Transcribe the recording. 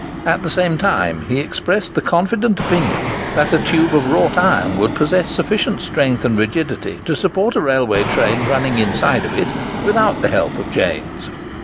At the same time, he expressed the confident opinion that a tube of wrought iron would possess sufficient strength and rigidity to support a railway train running inside of it without the help of the chains.